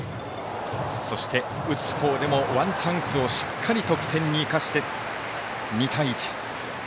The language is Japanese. そして打つほうでもワンチャンスをしっかり得点に生かして２対１。